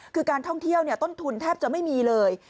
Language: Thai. คือการท่องเที่ยวต้นทุนแทบจะไม่มีเลย